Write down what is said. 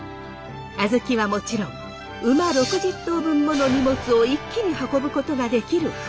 小豆はもちろん馬６０頭分もの荷物を一気に運ぶことができる舟。